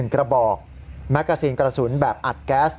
กระบอกแมกกาซีนกระสุนแบบอัดแก๊ส